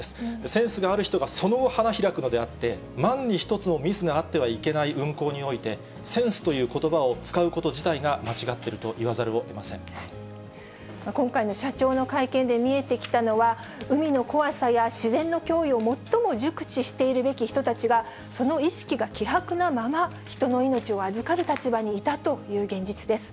センスがある人が、その後、花開くのであって、万に一つのミスがあってはいけない運航において、センスということばを使うこと自体が間違っていると言わざるをえ今回の社長の会見で見えてきたのは、海の怖さや自然の驚異を最も熟知しているべき人たちが、その意識が希薄なまま人の命を預かる立場にいたという現実です。